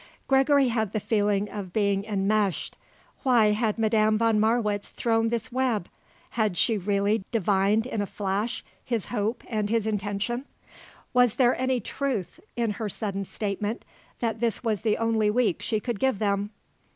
Gregory had the feeling of being enmeshed. Why had Madame von Marwitz thrown this web? Had she really divined in a flash his hope and his intention? Was there any truth in her sudden statement that this was the only week she could give them?